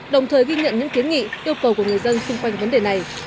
đồng thời ghi nhận những kiến nghị yêu cầu của người dân xung quanh vấn đề này